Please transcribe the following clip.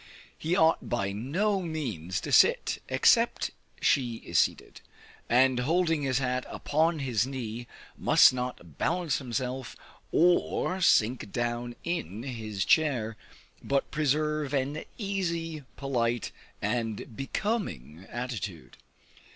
He ought by no means to sit, except she is seated; and holding his hat upon his knee must not balance himself or sink down in his chair, but preserve an easy, polite and becoming attitude.